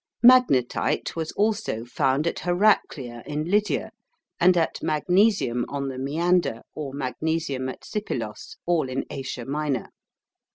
Magnetite was also found at Heraclea in Lydia, and at Magnesium on the Meander or Magnesium at Sipylos, all in Asia Minor.